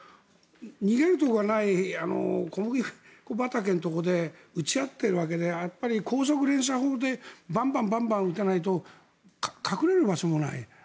逃げるところがない小麦畑のところで撃ち合っているわけで高速連射砲でバンバン撃たないと隠れる場所もない。